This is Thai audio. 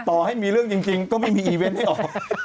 ต่อให้มีเรื่องจริงก็ไม่มีอีเวนต์ให้ออก